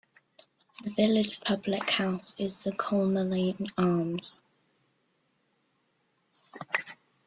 The village public house is the Cholmeley Arms.